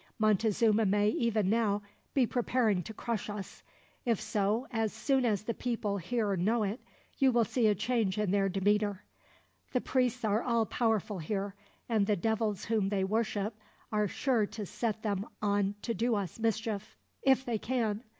Montezuma may, even now, be preparing to crush us. If so, as soon as the people here know it, you will see a change in their demeanor. The priests are all powerful here, and the devils whom they worship are sure to set them on to do us mischief, if they can.